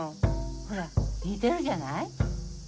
ほら似てるじゃない？